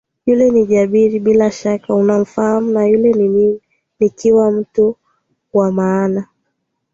yule ni Jabir bila shaka unamfahamu na yule ni mimi nikiwa mtu wa maana